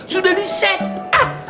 sudah di set up